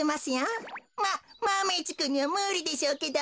まっマメ１くんにはむりでしょうけど。